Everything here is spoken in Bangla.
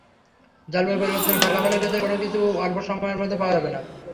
জলবায়ু পরিবর্তনের ফলাফলের ক্ষেত্রে কোনো কিছু অল্প সময়ের মধ্যে পাওয়া যাবে না।